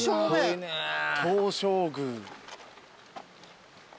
東照宮。